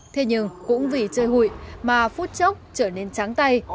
thế nhưng cũng vì chơi hủy mà phút chốc trở nên tráng tay